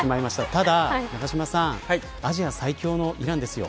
ただ永島さんアジア最強のイランですよ。